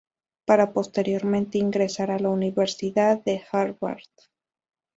Para posteriormente ingresar a la Universidad de Harvard.